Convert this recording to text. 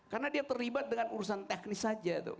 karena dia terlibat dengan urusan teknis saja tuh